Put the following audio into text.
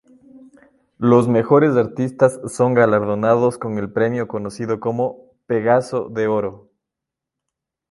Los mejores artistas son galardonados con el premio conocido como ""Pegaso de Oro"".